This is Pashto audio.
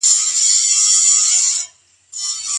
د ژوند د ملګري په غوره کولو کي څه بايد وکړو؟